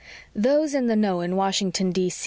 2 Those in the know in Washington, D.